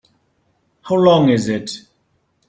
How long is it?